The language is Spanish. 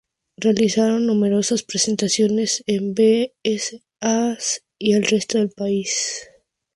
Realizaron numerosas presentaciones en Bs As y el resto del país.